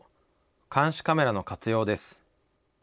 監視カメラの活用です。